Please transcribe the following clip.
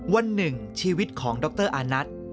วันหนึ่งชีวิตของดรอานัท